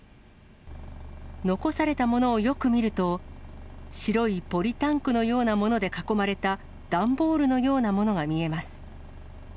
残されたものをよく見ると、白いポリタンクのようなもので囲まれた段ボールのようなものが見えます。